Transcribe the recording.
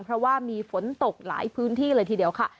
เพราะว่ามีฝนตกหลายพื้นที่เลยทีเดียวค่ะ